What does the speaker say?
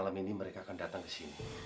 malam ini mereka akan datang kesini